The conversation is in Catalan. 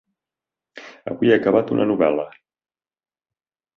Avui he acabat una novel·la.